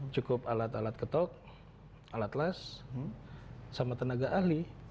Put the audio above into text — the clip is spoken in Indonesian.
cukup alat alat ketok alat las sama tenaga ahli